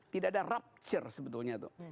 tidak ada rupture sebetulnya tuh